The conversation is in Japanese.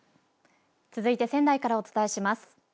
続いて、仙台からお伝えします。